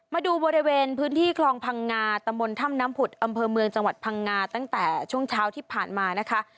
มาดูบริเวณพื้นที่คลองพังงาตะมนต์ถ้ำน้ำผุดอำเภอเมืองจังหวัดพังงาตั้งแต่ช่วงเช้าที่ผ่านมานะคะ